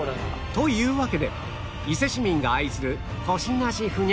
というわけで伊勢市民が愛するコシなしふにゃふにゃうどん